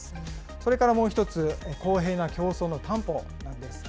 それからもう１つ、公平な競争の担保なんです。